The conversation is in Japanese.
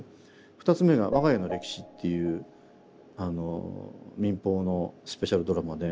２つ目が「わが家の歴史」っていうあの民放のスペシャルドラマで。